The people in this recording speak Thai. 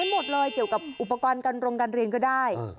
หมดเลยเกี่ยวกับอุปกรณ์การโรงการเรียนก็ได้